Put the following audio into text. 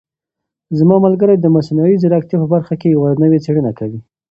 زما ملګری د مصنوعي ځیرکتیا په برخه کې یوه نوې څېړنه کوي.